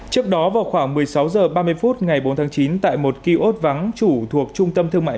trước đó vào khoảng một mươi sáu h ba mươi phút ngày bốn tháng chín tại một kiosk vắng chủ thuộc trung tâm thương mại